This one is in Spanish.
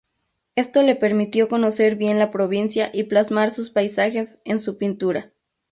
Esto le permitió conocer bien la provincia y plasmar sus paisajes en su pintura.